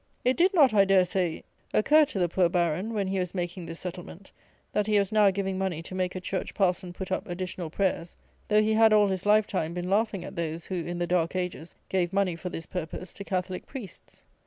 It did not, I dare say, occur to the poor Baron (when he was making this settlement), that he was now giving money to make a church parson put up additional prayers, though he had, all his lifetime, been laughing at those, who, in the dark ages, gave money, for this purpose, to Catholic priests.